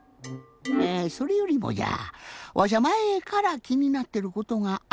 それよりもじゃわしゃまえからきになってることがあるんじゃ。